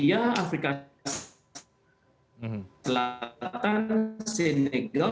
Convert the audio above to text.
iya afrika selatan senegal